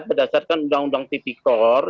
berdasarkan undang undang tipikor